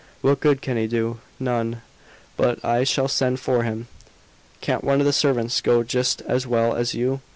"What good can he do?" "None. But I shall send for him." "Can't one of the servants go just as well as you?